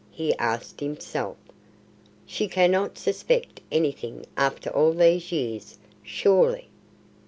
he asked himself. "She cannot suspect anything after all these years, surely?"